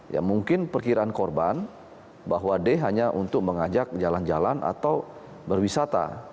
ya mungkin perkiraan korban bahwa d hanya untuk mengajak jalan jalan atau berwisata